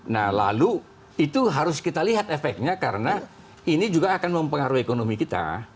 nah lalu itu harus kita lihat efeknya karena ini juga akan mempengaruhi ekonomi kita